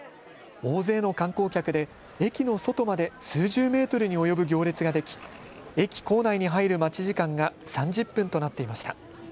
大勢の観光客で駅の外まで数十メートルに及ぶ行列ができ駅構内に入る待ち時間が３０分となっていました。